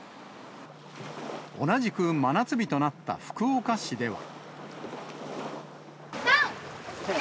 同じく真夏日となった福岡市では。